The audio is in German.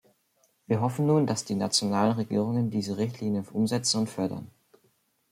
Wir hoffen nun, dass die nationalen Regierungen diese Richtlinie umsetzen und fördern.